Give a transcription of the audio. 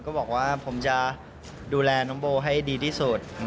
บอกว่าผมจะดูแลน้องโบให้ดีที่สุด